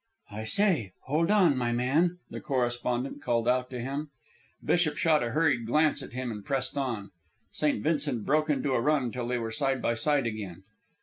"I say, hold on, my man," the correspondent called out to him. Bishop shot a hurried glance at him and pressed on. St. Vincent broke into a run till they were side by side again.